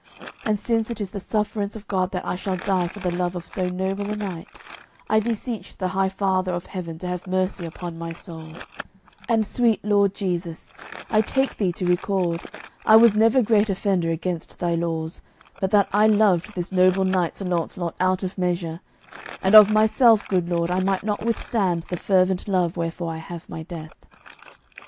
And since it is the sufferance of God that I shall die for the love of so noble a knight, I beseech the High Father of Heaven to have mercy upon my soul; and sweet Lord Jesu, I take Thee to record, I was never great offender against Thy laws, but that I loved this noble knight Sir Launcelot out of measure, and of myself, good Lord, I might not withstand the fervent love wherefore I have my death."